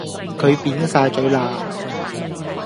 佢扁曬嘴啦